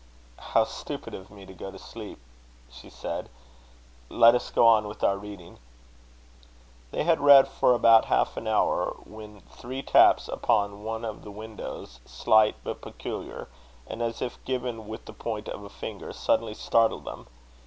"How stupid of me to go to sleep!" she said. "Let us go on with our reading." They had read for about half an hour, when three taps upon one of the windows, slight, but peculiar, and as if given with the point of a finger, suddenly startled them.